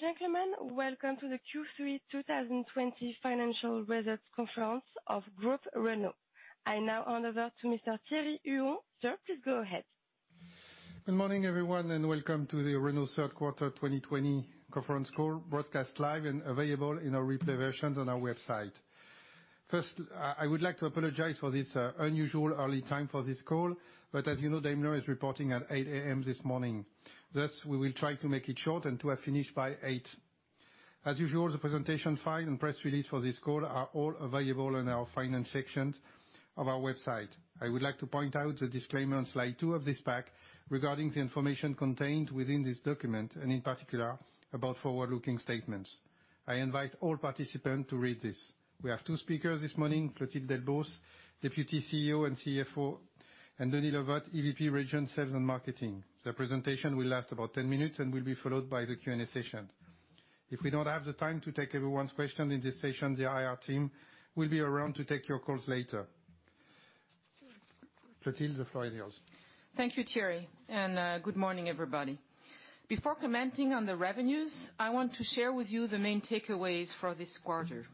Ladies and gentlemen, welcome to the Q3 2020 Financial Results Conference of Groupe Renault. I now hand over to Mr. Thierry Huon. Sir, please go ahead. Good morning, everyone, and welcome to the Renault third quarter 2020 conference call, broadcast live and available in a replay version on our website. First, I would like to apologize for this unusual early time for this call, but as you know, Daimler is reporting at 8:00 A.M. this morning. Thus, we will try to make it short and to have finished by 8:00 A.M. As usual, the presentation file and press release for this call are all available on our finance section of our website. I would like to point out the disclaimer on slide two of this pack regarding the information contained within this document, and in particular, about forward-looking statements. I invite all participants to read this. We have two speakers this morning, Clotilde Delbos, Deputy CEO and CFO, and Denis Le Vot, EVP, Regions, Sales and Marketing. The presentation will last about 10 minutes and will be followed by the Q&A session. If we don't have the time to take everyone's question in this session, the IR team will be around to take your calls later. Clotilde, the floor is yours. Thank you, Thierry, and good morning, everybody. Before commenting on the revenues, I want to share with you the main takeaways for this quarter.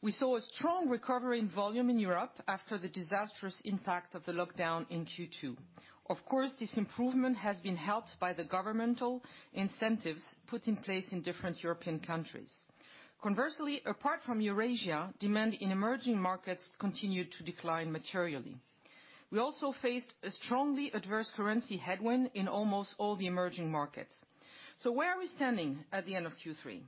We saw a strong recovery in volume in Europe after the disastrous impact of the lockdown in Q2. Of course, this improvement has been helped by the governmental incentives put in place in different European countries. Conversely, apart from Eurasia, demand in emerging markets continued to decline materially. We also faced a strongly adverse currency headwind in almost all the emerging markets. Where are we standing at the end of Q3?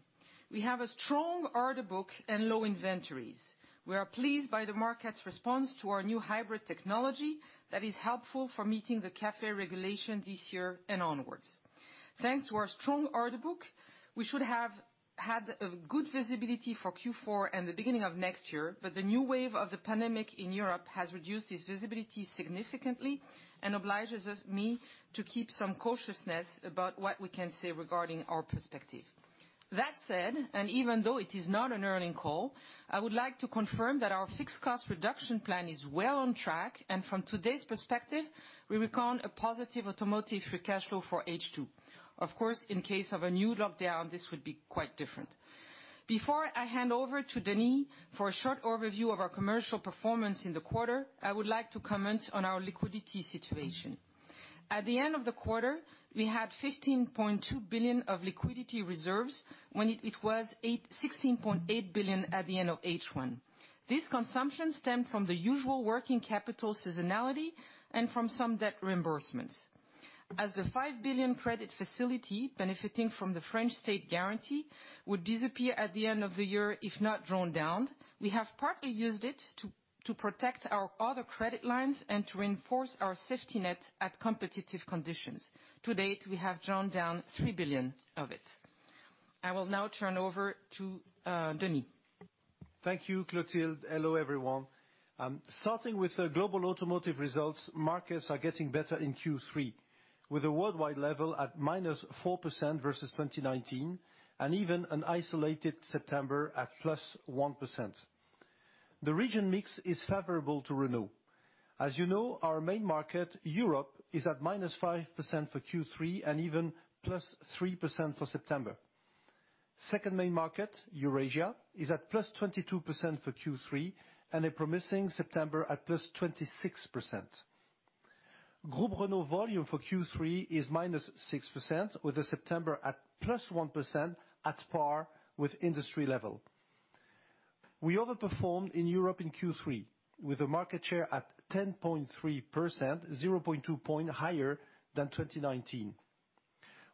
We have a strong order book and low inventories. We are pleased by the market's response to our new hybrid technology that is helpful for meeting the CAFE regulation this year and onwards. Thanks to our strong order book, we should have had a good visibility for Q4 and the beginning of next year, but the new wave of the pandemic in Europe has reduced this visibility significantly and obliges me to keep some cautiousness about what we can say regarding our perspective. That said, and even though it is not an earning call, I would like to confirm that our fixed cost reduction plan is well on track, and from today's perspective, we reckon a positive automotive free cash flow for H2. Of course, in case of a new lockdown, this would be quite different. Before I hand over to Denis for a short overview of our commercial performance in the quarter, I would like to comment on our liquidity situation. At the end of the quarter, we had 15.2 billion of liquidity reserves, when it was 16.8 billion at the end of H1. This consumption stemmed from the usual working capital seasonality and from some debt reimbursements. As the 5 billion credit facility benefiting from the French state guarantee would disappear at the end of the year if not drawn down, we have partly used it to protect our other credit lines and to reinforce our safety net at competitive conditions. To date, we have drawn down 3 billion of it. I will now turn over to Denis. Thank you, Clotilde. Hello, everyone. Starting with the global automotive results, markets are getting better in Q3, with a worldwide level at minus 4% versus 2019, and even an isolated September at plus 1%. The region mix is favorable to Renault. As you know, our main market, Europe, is at minus 5% for Q3 and even plus 3% for September. Second main market, Eurasia, is at plus 22% for Q3, and a promising September at plus 26%. Groupe Renault volume for Q3 is minus 6%, with the September at plus 1% at par with industry level. We overperformed in Europe in Q3 with a market share at 10.3%, 0.2 point higher than 2019.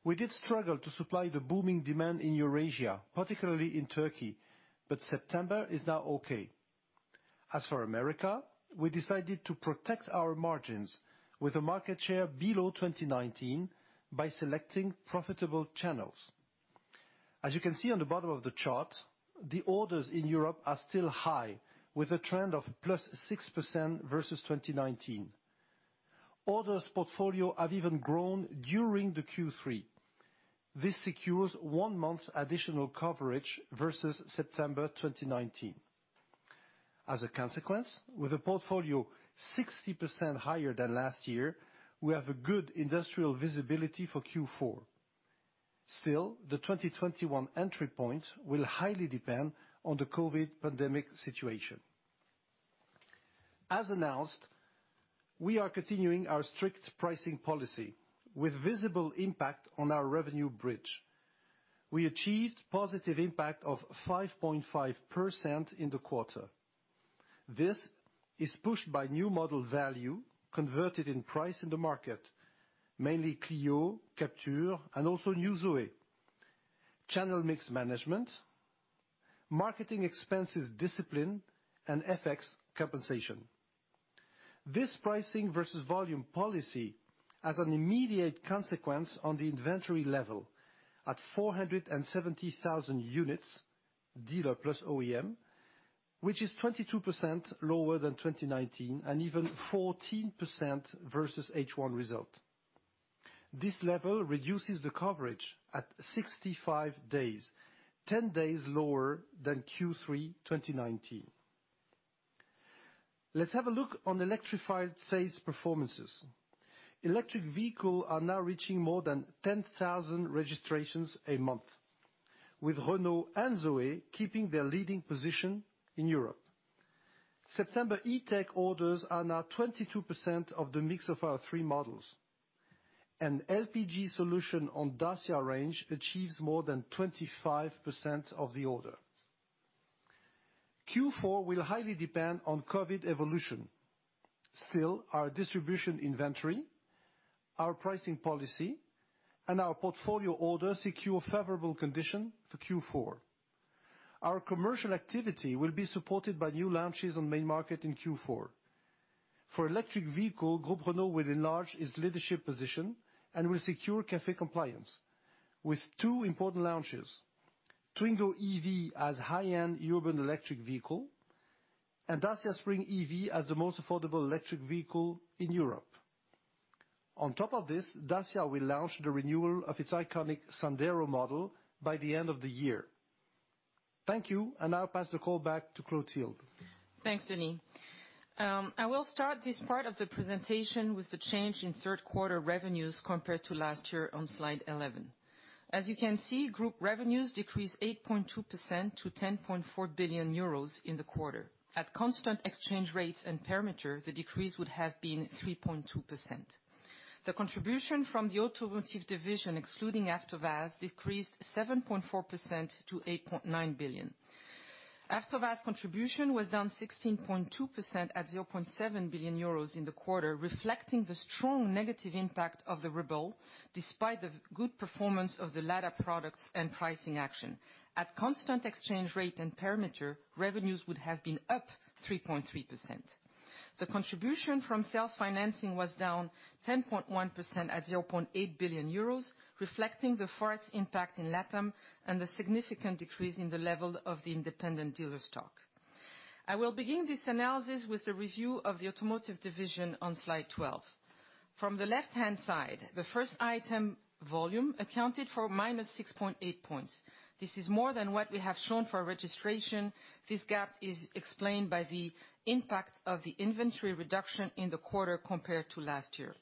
We did struggle to supply the booming demand in Eurasia, particularly in Turkey, but September is now okay. As for America, we decided to protect our margins with a market share below 2019 by selecting profitable channels. As you can see on the bottom of the chart, the orders in Europe are still high, with a trend of +6% versus 2019. Orders portfolio have even grown during the Q3. This secures one month additional coverage versus September 2019. As a consequence, with a portfolio 60% higher than last year, we have a good industrial visibility for Q4. The 2021 entry point will highly depend on the COVID pandemic situation. As announced, we are continuing our strict pricing policy, with visible impact on our revenue bridge. We achieved positive impact of 5.5% in the quarter. This is pushed by new model value converted in price in the market, mainly Clio, Captur, and also new ZOE. Channel mix management, marketing expenses discipline, and FX compensation. This pricing versus volume policy has an immediate consequence on the inventory level at 470,000 units, dealer plus OEM, which is 22% lower than 2019, and even 14% versus H1 result. This level reduces the coverage at 65 days, 10 days lower than Q3 2019. Let's have a look on electrified sales performances. Electric vehicle are now reaching more than 10,000 registrations a month, with Renault and ZOE keeping their leading position in Europe. September E-TECH orders are now 22% of the mix of our three models, and LPG solution on Dacia range achieves more than 25% of the order. Q4 will highly depend on COVID evolution. Still, our distribution inventory, our pricing policy, and our portfolio order secure favorable condition for Q4. Our commercial activity will be supported by new launches on main market in Q4. For electric vehicle, Groupe Renault will enlarge its leadership position and will secure CAFE compliance with two important launches, Twingo Electric as high-end urban electric vehicle, and Dacia Spring Electric as the most affordable electric vehicle in Europe. On top of this, Dacia will launch the renewal of its iconic Sandero model by the end of the year. Thank you, and I'll pass the call back to Clotilde. Thanks, Denis. I will start this part of the presentation with the change in third quarter revenues compared to last year on slide 11. As you can see, Group revenues decreased 8.2% to 10.4 billion euros in the quarter. At constant exchange rates and perimeter, the decrease would have been 3.2%. The contribution from the automotive division, excluding After Sales, decreased 7.4% to 8.9 billion. After Sales contribution was down 16.2% at 0.7 billion euros in the quarter, reflecting the strong negative impact of the ruble, despite the good performance of the Lada products and pricing action. At constant exchange rate and perimeter, revenues would have been up 3.3%. The contribution from sales financing was down 10.1% at 0.8 billion euros, reflecting the Forex impact in LatAm and the significant decrease in the level of the independent dealer stock. I will begin this analysis with the review of the automotive division on slide 12. From the left-hand side, the first item, volume, accounted for -6.8 points. This is more than what we have shown for registration. This gap is explained by the impact of the inventory reduction in the quarter compared to last year.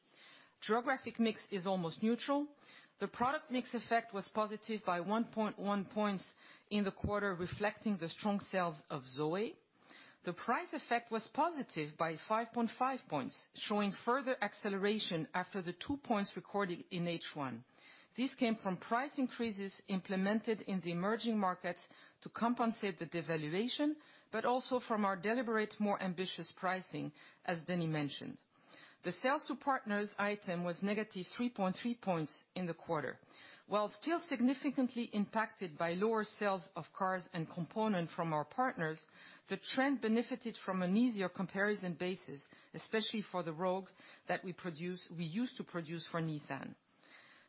Geographic mix is almost neutral. The product mix effect was positive by 1.1 points in the quarter, reflecting the strong sales of ZOE. The price effect was positive by 5.5 points, showing further acceleration after the two points recorded in H1. This came from price increases implemented in the emerging markets to compensate the devaluation, but also from our deliberate, more ambitious pricing, as Denis mentioned. The sales to partners item was negative 3.3 points in the quarter. While still significantly impacted by lower sales of cars and component from our partners, the trend benefited from an easier comparison basis, especially for the Rogue that we used to produce for Nissan.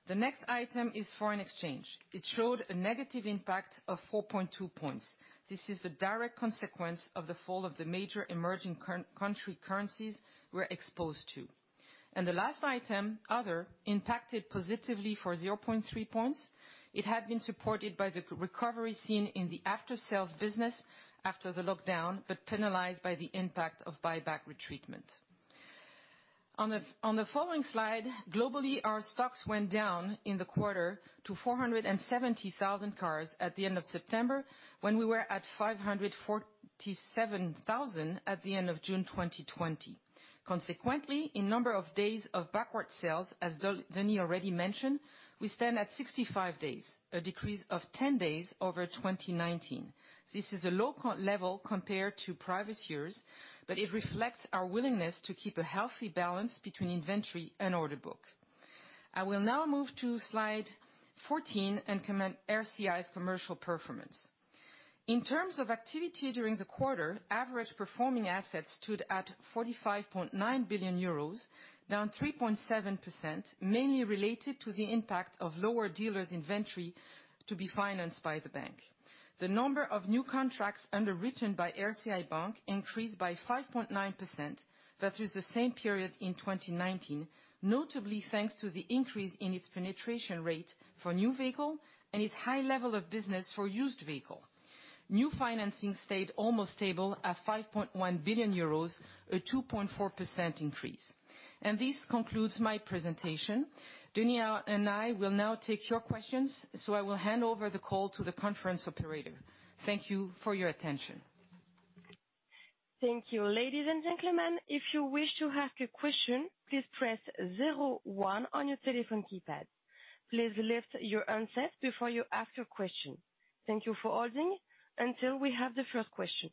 The next item is foreign exchange. It showed a negative impact of 4.2 points. This is the direct consequence of the fall of the major emerging country currencies we're exposed to. The last item, other, impacted positively for 0.3 points. It had been supported by the recovery seen in the after sales business after the lockdown, but penalized by the impact of buyback retreatment. On the following slide, globally, our stocks went down in the quarter to 470,000 cars at the end of September, when we were at 547,000 at the end of June 2020. Consequently, in number of days of backward sales, as Denis already mentioned, we stand at 65 days, a decrease of 10 days over 2019. This is a low level compared to previous years, it reflects our willingness to keep a healthy balance between inventory and order book. I will now move to slide 14 and comment RCI's commercial performance. In terms of activity during the quarter, average performing assets stood at 45.9 billion euros, down 3.7%, mainly related to the impact of lower dealers' inventory to be financed by the bank. The number of new contracts underwritten by RCI Bank increased by 5.9% versus the same period in 2019, notably thanks to the increase in its penetration rate for new vehicle and its high level of business for used vehicle. New financing stayed almost stable at 5.1 billion euros, a 2.4% increase. This concludes my presentation. Denis and I will now take your questions, so I will hand over the call to the conference operator. Thank you for your attention. Thank you. Ladies and gentlemen, if you wish to ask a question, please press zero one on your telephone keypad. Please lift your handset before you ask your question. Thank you for holding until we have the first question.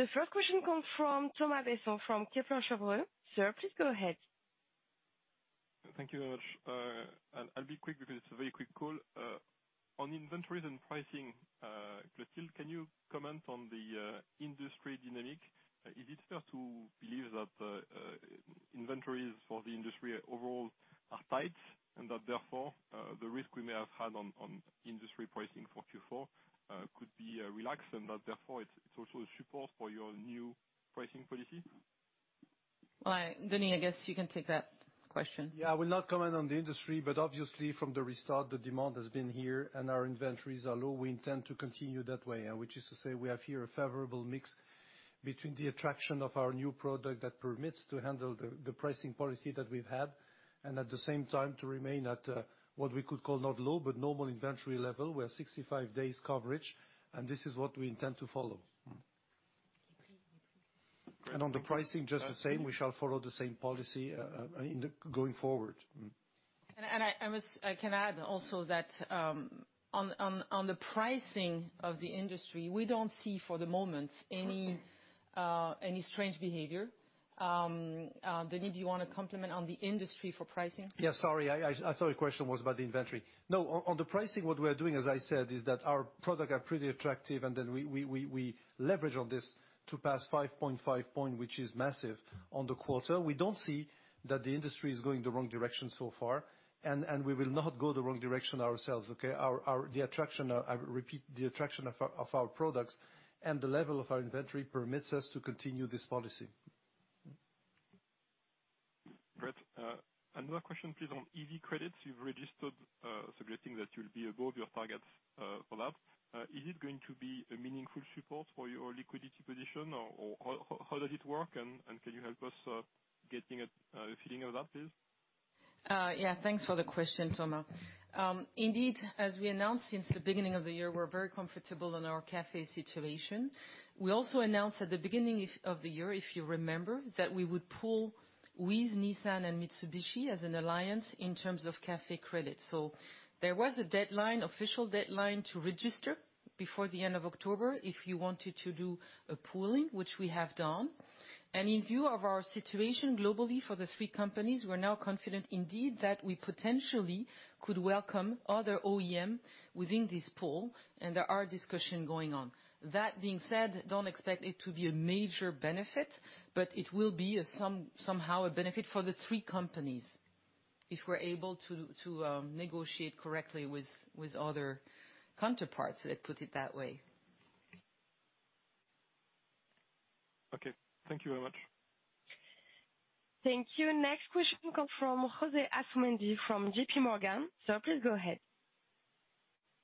The first question comes from Thomas Besson from Kepler Cheuvreux. Sir, please go ahead. Thank you very much. I'll be quick because it's a very quick call. On inventories and pricing, Clotilde, can you comment on the industry dynamic? Is it fair to believe that inventories for the industry overall are tight, and that therefore, the risk we may have had on industry pricing for Q4 could be relaxed, and that therefore, it's also a support for your new pricing policy? Well, Denis, I guess you can take that question. Yeah, I will not comment on the industry. Obviously from the restart, the demand has been here and our inventories are low. We intend to continue that way, which is to say we have here a favorable mix between the attraction of our new product that permits to handle the pricing policy that we've had, and at the same time to remain at what we could call not low, but normal inventory level. We are 65 days coverage. This is what we intend to follow. On the pricing, just the same, we shall follow the same policy going forward. I can add also that on the pricing of the industry, we don't see for the moment any strange behavior. Denis, do you want to complement on the industry for pricing? Yeah, sorry, I thought your question was about the inventory. On the pricing, what we are doing, as I said, is that our products are pretty attractive, we leverage on this to pass 5.5 point, which is massive, on the quarter. We don't see that the industry is going the wrong direction so far, we will not go the wrong direction ourselves, okay? I repeat, the attraction of our products and the level of our inventory permits us to continue this policy. Great, another question, please, on EV credits. You've registered, suggesting that you'll be above your targets for that. Is it going to be a meaningful support for your liquidity position, or how does it work, and can you help us getting a feeling of that, please? Thanks for the question, Thomas. As we announced since the beginning of the year, we're very comfortable in our CAFE situation. We also announced at the beginning of the year, if you remember, that we would pool with Nissan and Mitsubishi as an alliance in terms of CAFE credits. There was an official deadline to register before the end of October if you wanted to do a pooling, which we have done. In view of our situation globally for the three companies, we're now confident indeed that we potentially could welcome other OEM within this pool, and there are discussions going on. That being said, don't expect it to be a major benefit, but it will be somehow a benefit for the three companies if we're able to negotiate correctly with other counterparts. Let put it that way. Okay. Thank you very much. Thank you. Next question come from José Asumendi from J.P. Morgan. Sir, please go ahead.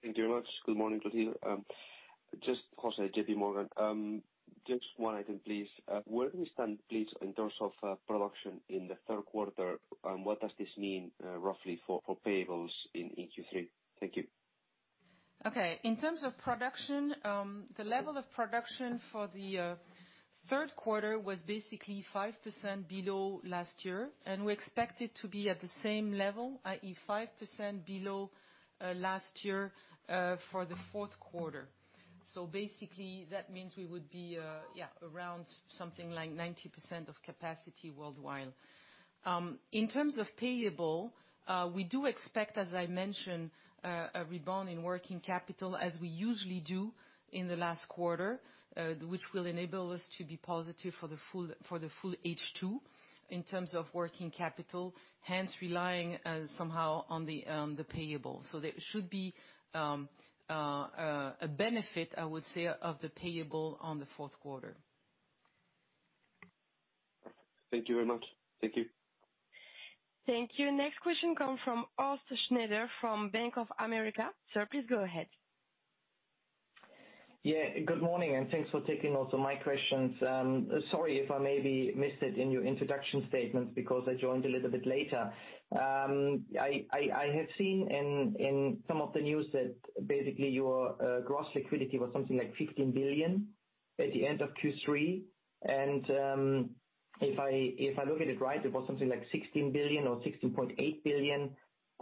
Thank you very much. Good morning to you. José, J.P. Morgan. Just one item, please. Where do we stand, please, in terms of production in the third quarter, and what does this mean, roughly, for payables in Q3? Thank you. Okay. In terms of production, the level of production for the third quarter was basically 5% below last year, and we expect it to be at the same level, i.e., 5% below last year, for the fourth quarter. Basically, that means we would be around something like 90% of capacity worldwide. In terms of payable, we do expect, as I mentioned, a rebound in working capital as we usually do in the last quarter, which will enable us to be positive for the full H2 in terms of working capital, hence relying somehow on the payable. There should be a benefit, I would say, of the payable on the fourth quarter. Thank you very much. Thank you. Thank you. Next question come from Horst Schneider from Bank of America. Sir, please go ahead. Yeah, good morning, and thanks for taking also my questions. Sorry if I maybe missed it in your introduction statements because I joined a little bit later. I have seen in some of the news that basically your gross liquidity was something like 15 billion at the end of Q3. If I look at it right, it was something like 16 billion or 16.8 billion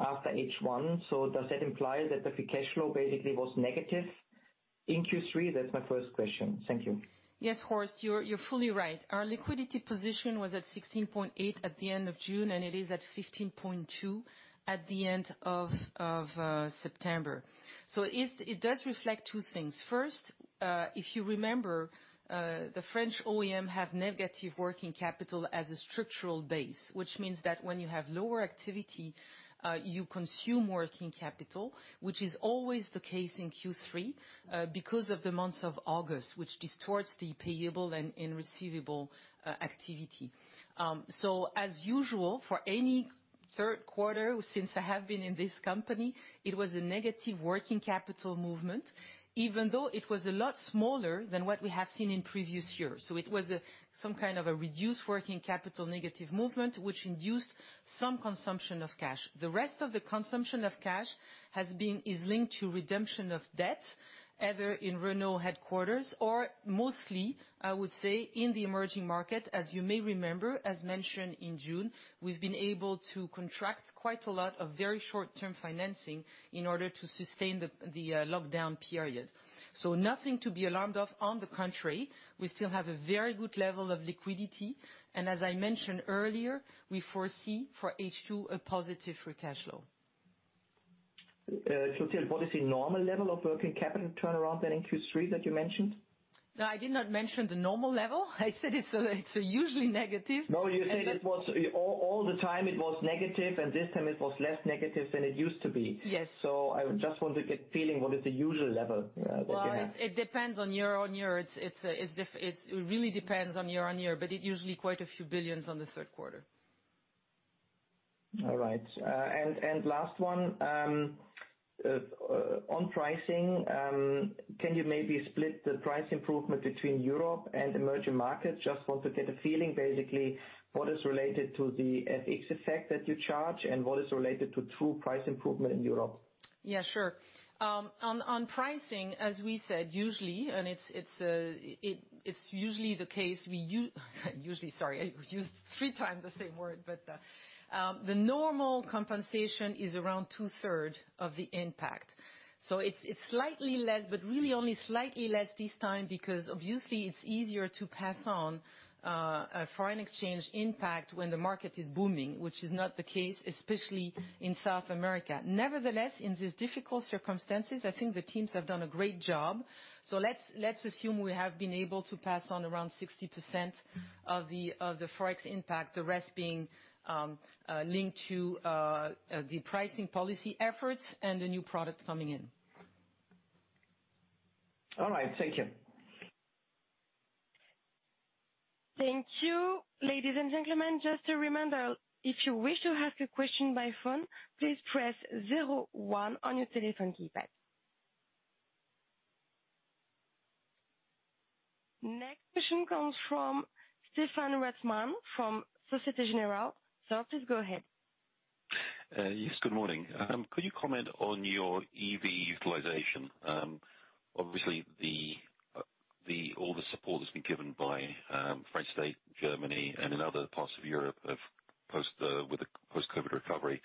after H1. Does that imply that the free cash flow basically was negative in Q3? That's my first question. Thank you. Yes, Horst, you're fully right. Our liquidity position was at 16.8 at the end of June, and it is at 15.2 at the end of September. It does reflect two things. First, if you remember, the French OEM have negative working capital as a structural base, which means that when you have lower activity, you consume working capital, which is always the case in Q3, because of the months of August, which distorts the payable and receivable activity. As usual, for any third quarter since I have been in this company, it was a negative working capital movement, even though it was a lot smaller than what we have seen in previous years. It was some kind of a reduced working capital negative movement, which induced some consumption of cash. The rest of the consumption of cash is linked to redemption of debt, either in Renault headquarters or mostly, I would say, in the emerging market. As you may remember, as mentioned in June, we've been able to contract quite a lot of very short-term financing in order to sustain the lockdown period. Nothing to be alarmed of. On the contrary, we still have a very good level of liquidity, and as I mentioned earlier, we foresee for H2 a positive free cash flow. Clotilde, what is the normal level of working capital turnaround then in Q3 that you mentioned? No, I did not mention the normal level. I said it's usually negative. No, you said all the time it was negative, and this time it was less negative than it used to be. Yes. I just want to get feeling what is the usual level that you have. Well, it really depends on year-on-year, but it usually quite a few billions on the third quarter. All right. Last one, on pricing, can you maybe split the price improvement between Europe and emerging markets? Just want to get a feeling, basically, what is related to the FX effect that you charge and what is related to true price improvement in Europe? Yeah, sure. On pricing, as we said, it's usually the case we use, sorry, I used three times the same word, but the normal compensation is around two-third of the impact. It's slightly less, but really only slightly less this time because obviously it's easier to pass on a foreign exchange impact when the market is booming, which is not the case, especially in South America. Nevertheless, in these difficult circumstances, I think the teams have done a great job. Let's assume we have been able to pass on around 60% of the Forex impact, the rest being linked to the pricing policy efforts and the new product coming in. All right. Thank you. Thank you. Ladies and gentlemen, just a reminder, if you wish to ask a question by phone, please press zero one on your telephone keypad. Next question comes from Stephen Reitman from Société Générale. Sir, please go ahead. Yes, good morning. Could you comment on your EV utilization? Obviously, all the support that's been given by France state, Germany, and in other parts of Europe with the post-COVID recovery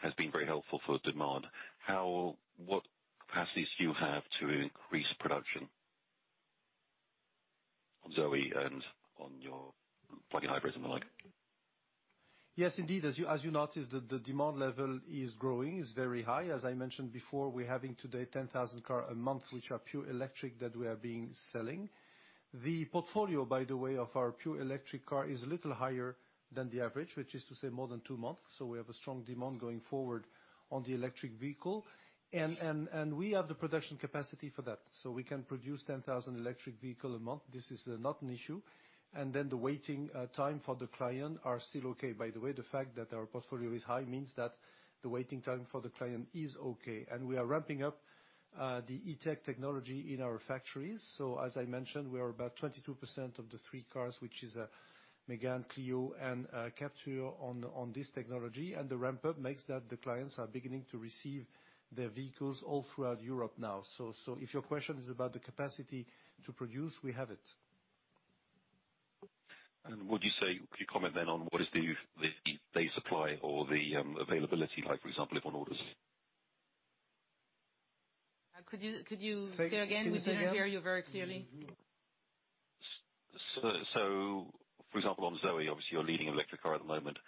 has been very helpful for demand. What capacities do you have to increase production on ZOE and on your plug-in hybrids and the like? Yes, indeed. As you noticed, the demand level is growing, it's very high. As I mentioned before, we're having today 10,000 car a month, which are pure electric, that we have been selling. The portfolio, by the way, of our pure electric car is a little higher than the average, which is to say more than two months. We have a strong demand going forward on the electric vehicle, and we have the production capacity for that. We can produce 10,000 electric vehicle a month. This is not an issue. The waiting time for the client are still okay. By the way, the fact that our portfolio is high means that the waiting time for the client is okay. We are ramping up the E-TECH technology in our factories. As I mentioned, we are about 22% of the three cars, which is a Mégane, Clio, and Captur on this technology. The ramp-up makes that the clients are beginning to receive their vehicles all throughout Europe now. If your question is about the capacity to produce, we have it. Could you comment then on what is the supply or the availability like, for example, if on orders? Could you say again? We cannot hear you very clearly. For example, on ZOE, obviously you're leading electric car at the moment.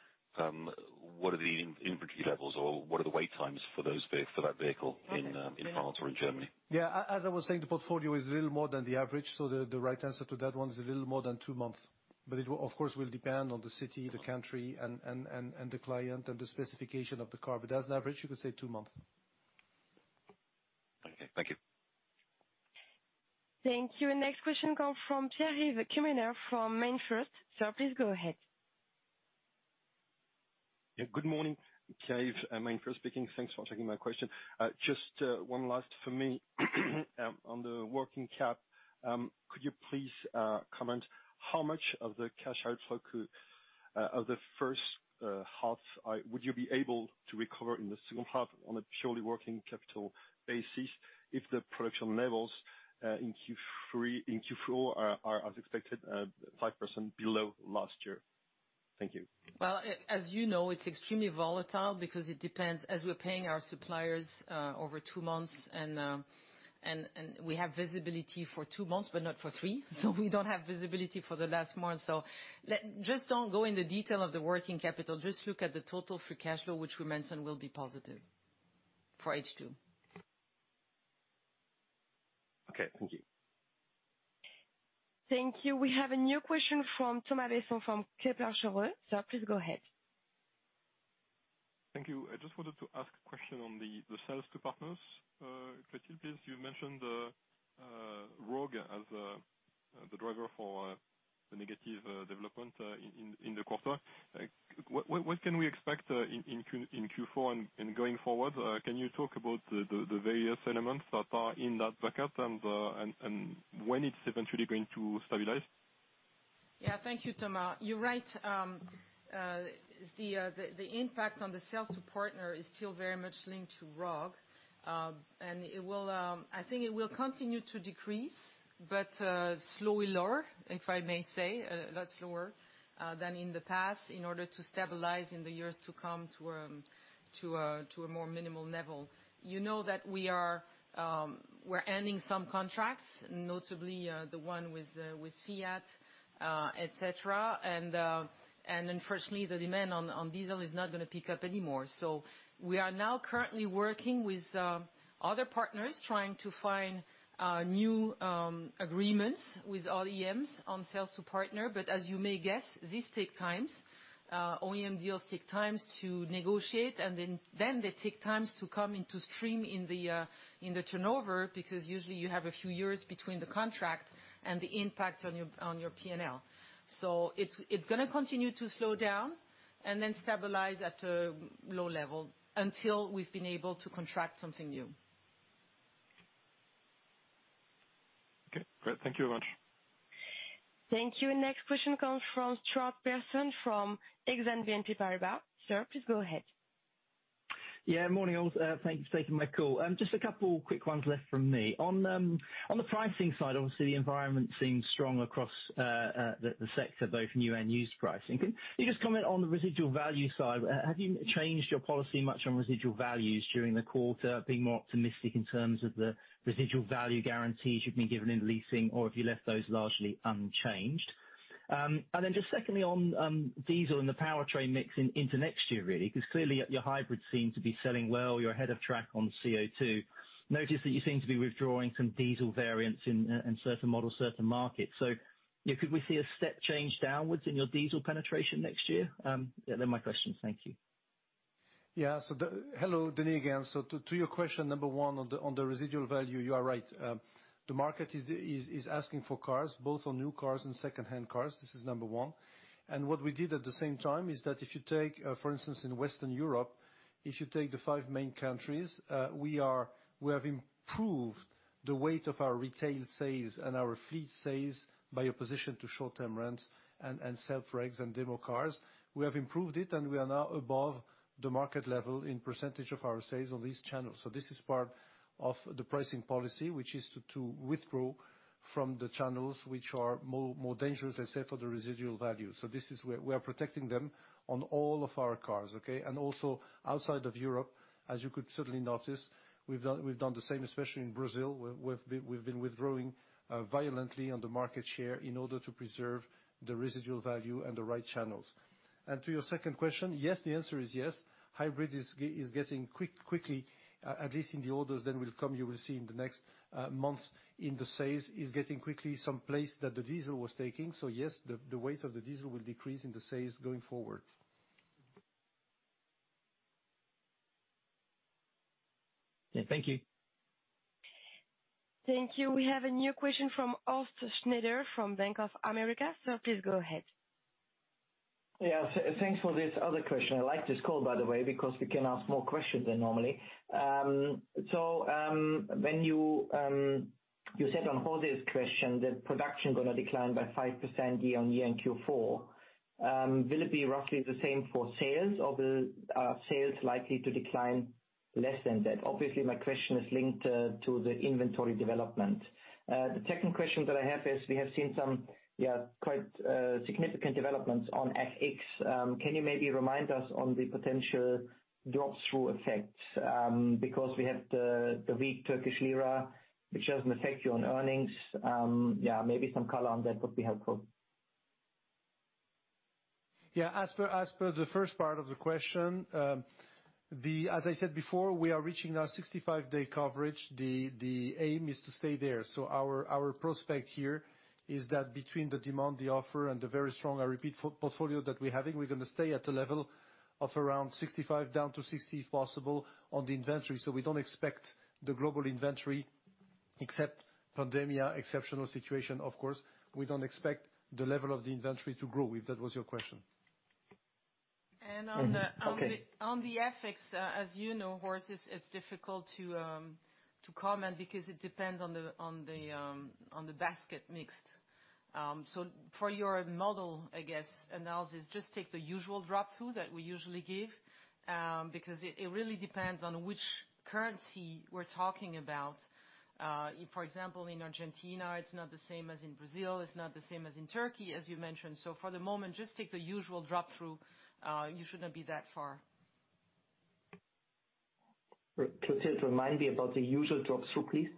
What are the inventory levels or what are the wait times for that vehicle in France or in Germany? Yeah. As I was saying, the portfolio is a little more than the average. The right answer to that one is a little more than two months. It will, of course, depend on the city, the country, and the client, and the specification of the car. As an average, you could say two months. Okay. Thank you. Thank you. Next question come from Pierre-Yves Quemener from MainFirst. Sir, please go ahead. Yeah, good morning. Pierre-Yves speaking. Thanks for taking my question. Just one last for me, on the working cap, could you please comment how much of the cash outflow of the first half would you be able to recover in the second half on a purely working capital basis if the production levels, in Q4, are as expected 5% below last year? Thank you. Well, as you know, it's extremely volatile because it depends, as we're paying our suppliers over two months, and we have visibility for two months but not for three, so we don't have visibility for the last month. Just don't go in the detail of the working capital. Just look at the total free cash flow, which we mentioned will be positive for H2. Okay. Thank you. Thank you. We have a new question from Thomas Besson from Kepler Cheuvreux. Sir, please go ahead. Thank you. I just wanted to ask a question on the sales to partners. Clotilde, please. You mentioned Rogue as the driver for the negative development in the quarter. What can we expect in Q4 and going forward? Can you talk about the various elements that are in that bucket and when it's eventually going to stabilize? Yeah, thank you, Thomas. You're right. The impact on the sales to partner is still very much linked to Rogue. I think it will continue to decrease, but slowly lower, if I may say, a lot slower, than in the past in order to stabilize in the years to come to a more minimal level. You know that we're ending some contracts, notably, the one with Fiat, et cetera. Unfortunately, the demand on diesel is not going to pick up anymore. We are now currently working with other partners, trying to find new agreements with OEMs on sales to partner. As you may guess, these take times. OEM deals take times to negotiate, and then they take times to come into stream in the turnover, because usually you have a few years between the contract and the impact on your P&L. It's going to continue to slow down and then stabilize at a low level until we've been able to contract something new. Okay, great. Thank you very much. Thank you. Next question comes from Stuart Pearson from Exane BNP Paribas. Sir, please go ahead. Yeah, morning all. Thank you for taking my call. Just a couple of quick ones left from me. On the pricing side, obviously, the environment seems strong across the sector, both new and used pricing. Can you just comment on the residual value side? Have you changed your policy much on residual values during the quarter, being more optimistic in terms of the residual value guarantees you've been given in leasing, or have you left those largely unchanged? Just secondly, on diesel and the powertrain mix into next year, really, because clearly your hybrids seem to be selling well. You're ahead of track on CO2. Noticed that you seem to be withdrawing some diesel variants in certain models, certain markets. Could we see a step change downwards in your diesel penetration next year? They're my questions. Thank you. Hello, Denis again. To your question number 1 on the residual value, you are right. The market is asking for cars, both on new cars and secondhand cars. This is number one. What we did at the same time is that if you take, for instance, in Western Europe, if you take the five main countries, we have improved the weight of our retail sales and our fleet sales by opposition to short-term rents and self-regs and demo cars. We have improved it, and we are now above the market level in percentage of our sales on these channels. This is part of the pricing policy, which is to withdraw from the channels which are more dangerous, let's say, for the residual value. We are protecting them on all of our cars, okay? Also outside of Europe, as you could certainly notice, we've done the same, especially in Brazil. We've been withdrawing violently on the market share in order to preserve the residual value and the right channels. To your second question, yes, the answer is yes. Hybrid is getting quickly, at least in the orders, then will come, you will see in the next month in the sales, is getting quickly some place that the diesel was taking. Yes, the weight of the diesel will decrease in the sales going forward. Yeah. Thank you. Thank you. We have a new question from Horst Schneider from Bank of America. Sir, please go ahead. Yeah. Thanks for this other question. I like this call, by the way, because we can ask more questions than normally. When you said on Jose's question that production going to decline by 5% year-over-year in Q4, will it be roughly the same for sales, or are sales likely to decline less than that? Obviously, my question is linked to the inventory development. The second question that I have is, we have seen some quite significant developments on FX. Can you maybe remind us on the potential drop-through effects? We have the weak Turkish lira, which doesn't affect you on earnings. Maybe some color on that would be helpful. Yeah. As per the first part of the question, as I said before, we are reaching our 65-day coverage. The aim is to stay there. Our prospect here is that between the demand, the offer, and the very strong, I repeat, portfolio that we're having, we're going to stay at a level of around 65 down to 60, if possible, on the inventory. We don't expect the global inventory, except pandemic, exceptional situation, of course. We don't expect the level of the inventory to grow, if that was your question. On the FX, as you know, Horst, it's difficult to comment because it depends on the basket mix. For your model, I guess, analysis, just take the usual drop-through that we usually give, because it really depends on which currency we're talking about. For example, in Argentina, it's not the same as in Brazil, it's not the same as in Turkey, as you mentioned. For the moment, just take the usual drop-through. You shouldn't be that far. Could you just remind me about the usual drop-through, please?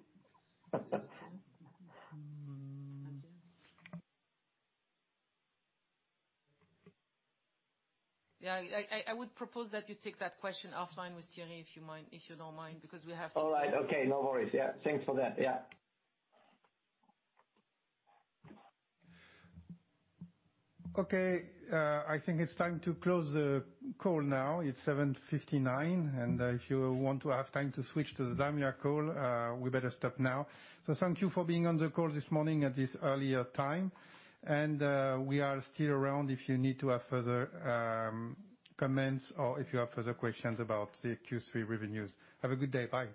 Yeah. I would propose that you take that question offline with Thierry, if you don't mind, because we have to close. All right. Okay. No worries. Yeah. Thanks for that. Yeah. Okay. I think it's time to close the call now. It's 7:59 A.M. If you want to have time to switch to the Daimler call, we better stop now. Thank you for being on the call this morning at this earlier time. We are still around if you need to have further comments or if you have further questions about the Q3 revenues. Have a good day. Bye.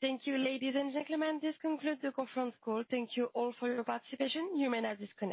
Thank you, ladies and gentlemen. This concludes the conference call. Thank you all for your participation. You may now disconnect.